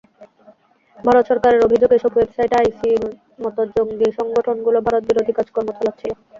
ভারত সরকারের অভিযোগ, এসব ওয়েবসাইটে আইসিয়ের মতো জঙ্গি সংগঠনগুলো ভারতবিরোধী কাজকর্ম চালাচ্ছিল।